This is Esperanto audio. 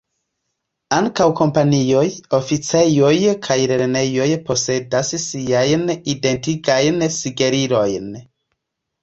Ankaŭ kompanioj, oficejoj kaj lernejoj posedas siajn identigajn sigelilojn.